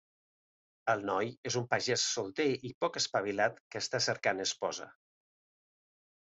El noi és un pagès solter i poc espavilat que està cercant esposa.